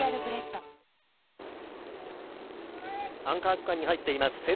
アンカー区間に入っています。